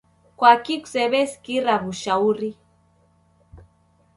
Kwaki kusaw'esikira w'ushauri?